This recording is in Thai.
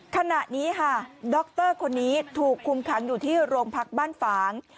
ขณะนี้ค่ะดรคนนี้ถูกคุมขังอยู่ที่โรงพักบ้านฝาง